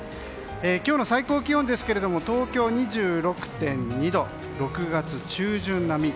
今日の最高気温ですが東京２６．２度６月中旬並み。